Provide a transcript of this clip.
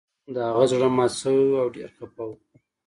د هغه زړه مات شوی و او ډیر خفه و